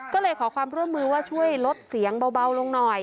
ก็เลยขอความร่วมมือว่าช่วยลดเสียงเบาลงหน่อย